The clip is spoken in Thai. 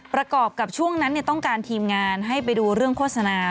ประกอบกับช่วงนั้นต้องการทีมงานให้ไปดูเรื่องโฆษณา